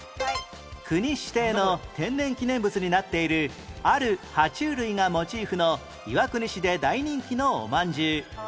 国指定の天然記念物になっているあるは虫類がモチーフの岩国市で大人気のおまんじゅう